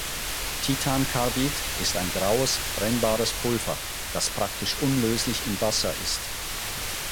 Titancarbid ist ein graues brennbares Pulver, das praktisch unlöslich in Wasser ist.